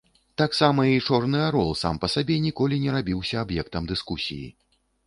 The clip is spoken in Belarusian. Таксама і чорны арол сам па сабе ніколі не рабіўся аб'ектам дыскусіі.